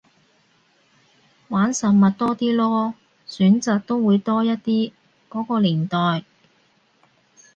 玩實物多啲囉，選擇都會多一啲，嗰個年代